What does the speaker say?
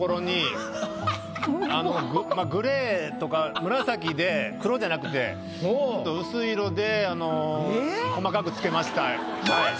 グレーとか紫で黒じゃなくて薄い色であの細かく付けました。